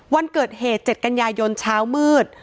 วันเกิดเหตุเจ็ดกัญญายนเช้ามืด